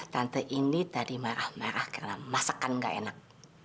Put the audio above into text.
tante ini tadi marah marah karena masakan nggak enak